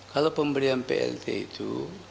kalau pemberian plt itu